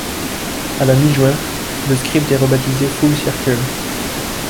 À la mi-juin, le script est rebaptisé Full Circle.